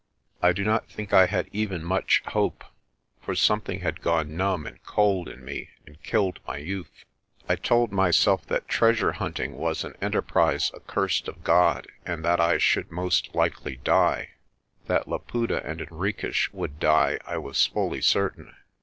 I do not think I had even much hope, for something had gone numb and cold in me and killed my youth. I told myself that treasure hunt ing was an enterprise accursed of God, and that I should most likely die. That Laputa and Henriques would die I was fully certain.